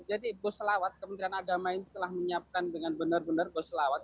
jadi busolawat kementerian agama ini telah menyiapkan dengan benar benar busolawat